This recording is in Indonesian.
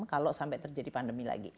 kalau sampai terjadi pandemi lagi